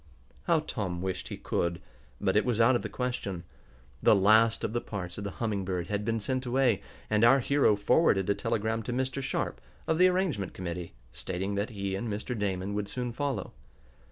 How Tom wished he could, but it was out of the question. The last of the parts of the Humming Bird had been sent away, and our hero forwarded a telegram to Mr. Sharp, of the arrangement committee, stating that he and Mr. Damon would soon follow.